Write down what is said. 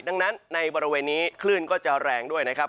ดังนั้นในบริเวณนี้คลื่นก็จะแรงด้วยนะครับ